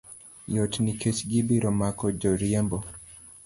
Yot nikech gibiro mako joriembo